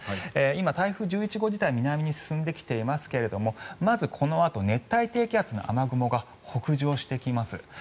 今、台風１１号自体は南に進んできていますけれどもまずこのあと熱帯低気圧の雨雲が北上してきます。